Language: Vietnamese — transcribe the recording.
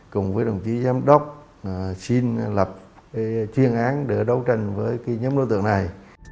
cùng với đồng chí giám đốc xin lập chuyên án để đấu tranh với nhóm đối tượng này